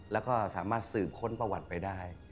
แล้วก็สามารถสืบค้นประวัติไปได้